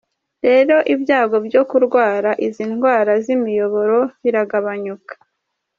Rero ibyago byo kurwara izi ndwara z’imiyoboro biragabanyuka.